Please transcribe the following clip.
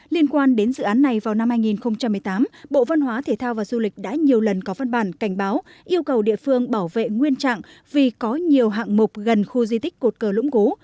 liên quan đến dự án này vào năm hai nghìn một mươi tám bộ văn hóa thể thao và du lịch đã nhiều lần có văn bản cảnh báo yêu cầu địa phương bảo vệ nguyên trạng vì có nhiều hạng mục gần khu di tích cột cờ lũng cú